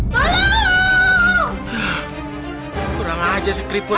tidak ada yang bisa dihukum